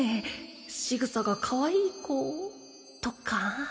しぐさがかわいい子とか